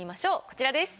こちらです。